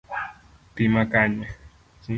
pi makanye?